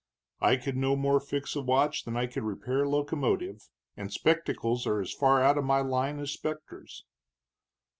"I could no more fix a watch than I could repair a locomotive, and spectacles are as far out of my line as specters."